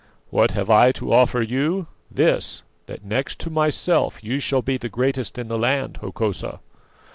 "What have I to offer you? This: that next to myself you shall be the greatest in the land, Hokosa."